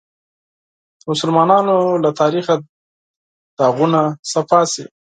د مسلمانانو له تاریخه داغونه پاک شي.